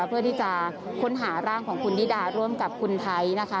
เพื่อที่จะค้นหาร่างของคุณนิดาร่วมกับคุณไทยนะคะ